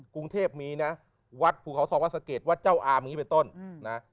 กรุงเทพมีนะวัดภูเขาทองวัดสะเกดวัดเจ้าอามอย่างนี้เป็นต้นนะ